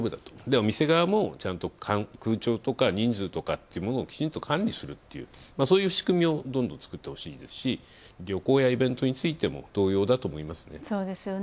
お店側も、ちゃんと空調とか人数とかっていうものをきちんと管理する、そういう仕組みをどんどん作ってほしいですし旅行やイベントについても同様だと思いますね。